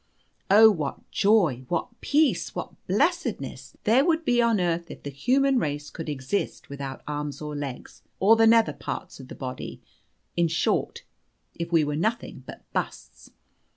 Oh, what joy, what peace, what blessedness there would be on earth if the human race could exist without arms or legs, or the nether parts of the body in short, if we were nothing but busts!